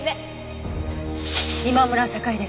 今村栄です。